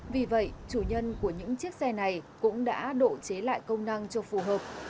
vì vậy chủ nhân của những chiếc xe này cũng đã độ chế lại công năng cho phù hợp